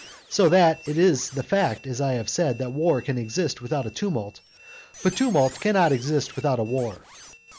So that it is the fact, as I have said, that war can exist without a tumult, but a tumult cannot exist without a war.